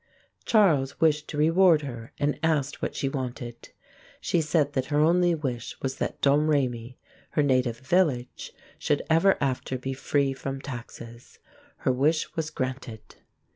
Charles wished to reward her and asked what she wanted. She said that her only wish was that Domrémy, her native village, should ever after be free from taxes. Her wish was granted.